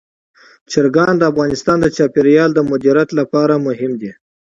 چرګان د افغانستان د چاپیریال د مدیریت لپاره مهم دي.